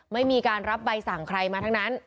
ไม่มีการรับใบสั่งใครมาทั้งนั้น